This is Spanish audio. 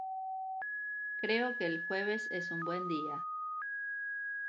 Creo que el jueves es un buen día.